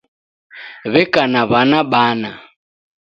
W'eka na w'ana bana.